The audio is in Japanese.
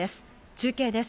中継です。